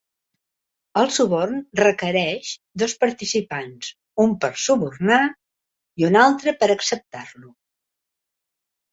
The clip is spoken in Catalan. El suborn requereix dos participants: un per subornar i un altre per acceptar-lo